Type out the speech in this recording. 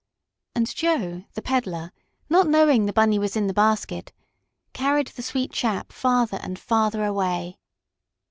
And Joe, the peddler, not knowing the Bunny was in the basket, carried the sweet chap farther and farther away.